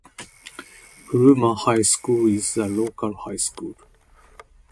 Bloomer High School is the local high school.